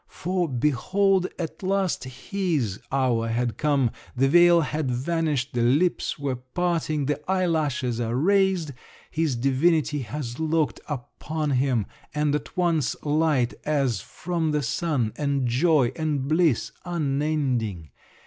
For, behold, at last his hour had come, the veil had vanished, the lips were parting, the eyelashes are raised—his divinity has looked upon him—and at once light as from the sun, and joy and bliss unending!